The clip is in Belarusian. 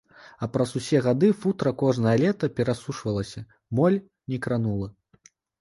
А праз усе гады футра кожнае лета перасушвалася, моль не кранула.